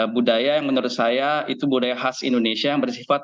budaya yang menurut saya itu budaya khas indonesia yang bersifat